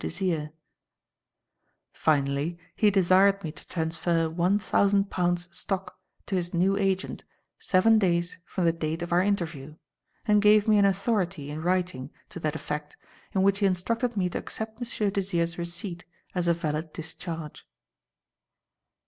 Desire. "Finally, he desired me to transfer one thousand pounds stock to his new agent seven days from the date of our interview, and gave me an authority in writing to that effect in which he instructed me to accept M. Desire's receipt as a valid discharge."